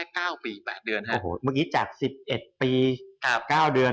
เอาไปถึง๑๐ปี๙เดือน